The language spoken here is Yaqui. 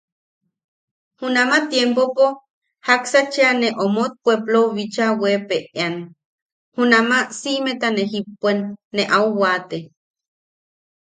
Junama tiempopo jaksa cheʼa ne omot, puepplou bicha weepeʼean, junnama siʼimeta ne jippuen, ne au waate.